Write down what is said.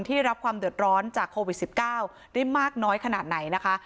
ได้รับความเดือดร้อนจากโควิด๑๙ได้มากน้อยขนาดไหนนะคะ